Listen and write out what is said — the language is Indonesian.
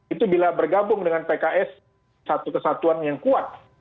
itu bila bergabung dengan pks satu kesatuan yang kuat